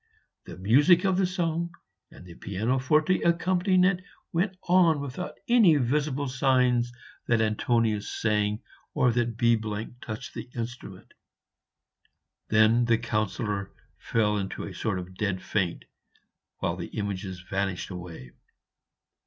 The music of the song and of the pianoforte accompanying it went on without any visible signs that Antonia sang or that B touched the instrument. Then the Councillor fell into a sort of dead faint, whilst the images vanished away.